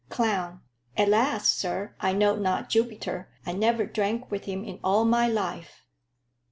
Clown. Alas, sir, I know not Jupiter: I never drank with him in all my life.